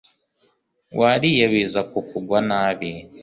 wariye biza kukugwa nabi